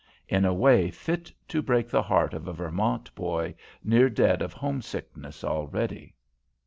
in a way fit to break the heart of a Vermont boy near dead of homesickness already.